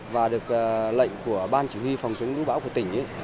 và được lệnh của ban chỉ huy phòng chống bão của tỉnh